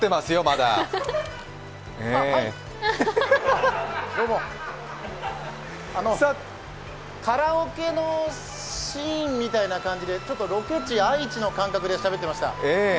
はい、どうもカラオケのシーンみたいな感じでちょっとロケ地・愛知の感覚でしゃべってました。